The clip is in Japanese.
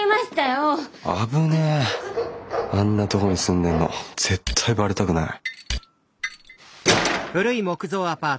あんなとこに住んでるの絶対バレたくない。